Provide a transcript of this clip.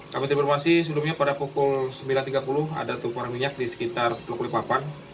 kami informasi sebelumnya pada pukul sembilan tiga puluh ada tumpuan minyak di sekitar teluk balikpapan